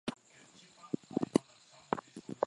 harakati za ujenzi ni za kupanua mji huu wa bangkok